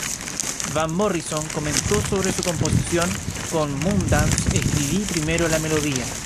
Van Morrison comentó sobre su composición: "Con "Moondance" escribí primero la melodía.